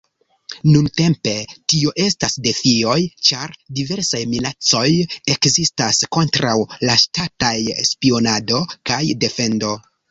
Nuntempe, tio estas defioj ĉar diversaj minacoj ekzistas kontraŭ la ŝtataj spionado kaj defendo.